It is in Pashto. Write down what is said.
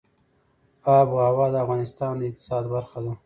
آب وهوا د افغانستان د اقتصاد برخه ده.